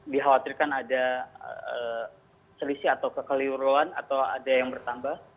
dikhawatirkan ada selisih atau kekeliruan atau ada yang bertambah